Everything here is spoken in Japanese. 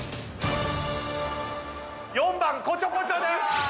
４番こちょこちょです！